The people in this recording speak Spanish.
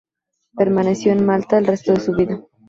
Permaneció en Malta el resto de su vida.